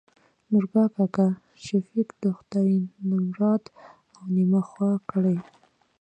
نورګا کاکا : شفيق د خداى نمراد او نيمه خوا کړي.